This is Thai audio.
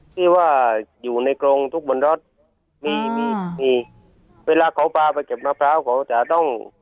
ที่ว่าอยู่ในกรงทุกบนรถมีมีเวลาเขาปลาไปเก็บมะพร้าวเขาจะต้อง